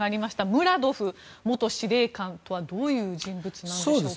ムラドフ元司令官とはどういう人物なんでしょうか。